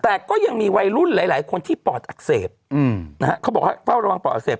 แต่ก็ยังมีวัยรุ่นหลายหลายคนที่ปอดอักเสบนะฮะเขาบอกให้เฝ้าระวังปอดอักเสบ